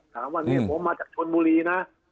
ถามว่าเนี่ยผมมาจากชนบุรีนะ